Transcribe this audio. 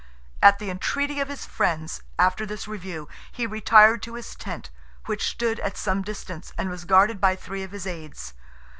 At the entreaty of his friends, after this review, he retired to his tent, which stood at some distance, and was guarded by three of his aids.